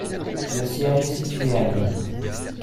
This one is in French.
Le siège est situé à Lille.